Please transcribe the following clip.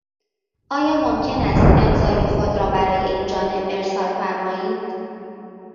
آیا ممکن است امضای خود را برای اینجانب ارسال فرمایید؟